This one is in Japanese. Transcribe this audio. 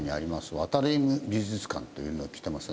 ワタリウム美術館というのに来てますが。